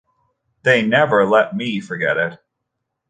They never let me forget it.